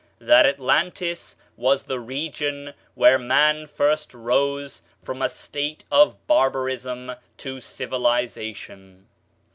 That Atlantis was the region where man first rose from a state of barbarism to civilization.